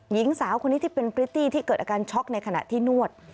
หญิงสาวคนนี้ที่เป็นพริตตี้ที่เกิดอาการช็อกในขณะที่นวด